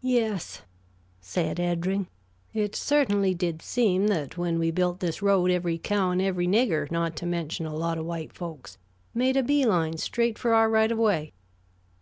"Yes," said Eddring, "it certainly did seem that when we built this road every cow and every nigger, not to mention a lot of white folks, made a bee line straight for our right of way.